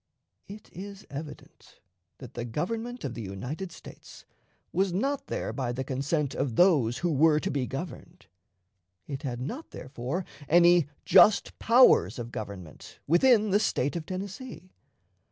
It is evident that the Government of the United States was not there by the consent of those who were to be governed. It had not, therefore, any "just powers" of government within the State of Tennessee.